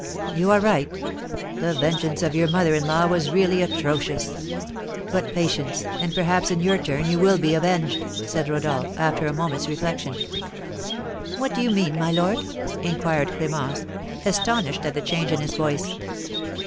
"You are right; the vengeance of your mother in law was really atrocious. But patience, and perhaps in your turn you will be avenged," said Rodolph, after a moment's reflection. "What do you mean, my lord?" inquired Clémence, astonished at the change in his voice.